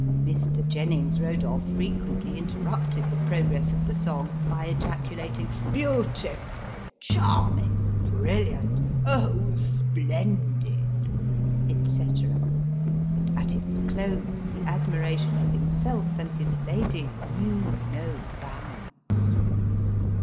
Mr. Jennings Eodolph, frequently interrupted the progress of the song, by ejaculating " Beautiful !"" Charming !"" Brilliant !"" Oh ! splendid," &c. ; and at its close the admiration of himself, and his lady, knew no bounds.